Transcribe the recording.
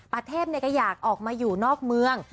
ประเทศก็อยากออกมาอยู่นอกเมือง